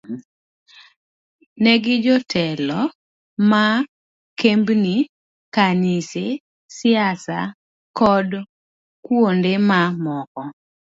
Ne gin jotelo ma kembni, kanise, siasa kod kuonde ma moko.